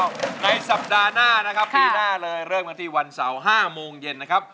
ในสัปดาห์หน้านะครับปีหน้าเลยเริ่มกันที่วันเสาร์๕โมงเย็นนะครับ